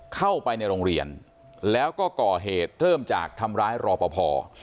เข้าไปในโรงเรียนแล้วก็ก่อเหตุเริ่มจากทำร้ายรอปภ